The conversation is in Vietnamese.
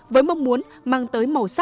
với mong muốn mang tới các giá trị văn hóa